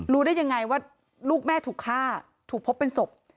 ได้ยังไงว่าลูกแม่ถูกฆ่าถูกพบเป็นศพ